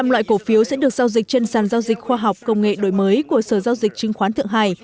hai mươi năm loại cổ phiếu sẽ được giao dịch trên sản giao dịch khoa học công nghệ đổi mới của sở giao dịch chứng khoán thượng hải